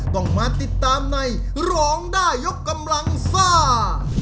ต้องมาติดตามในร้องได้ยกกำลังซ่า